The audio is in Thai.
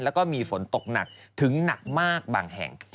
แล้วก็มีฝนตกหนักถึงหนักมากบางแห่ง